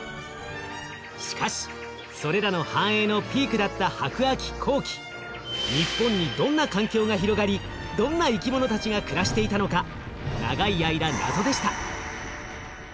しかしそれらの繁栄のピークだった白亜紀後期日本にどんな環境が広がりどんな生きものたちが暮らしていたのか長い間謎でした。